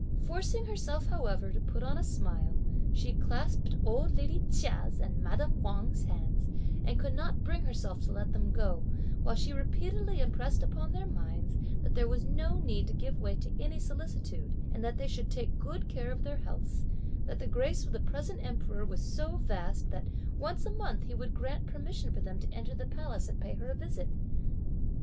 Forcing herself however again to put on a smile, she clasped old lady Chia's and madame Wang's hands, and could not bring herself to let them go; while she repeatedly impressed upon their minds: that there was no need to give way to any solicitude, and that they should take good care of their healths; that the grace of the present emperor was so vast, that once a month he would grant permission for them to enter the palace and pay her a visit.